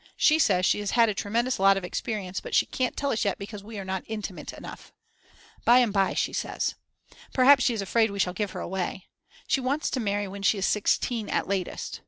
She says she has had a tremendous lot of experience, but she can't tell us yet because we are not intimate enough. By and by she says. Perhaps she is afraid we shall give her away. She wants to marry when she is 16 at latest.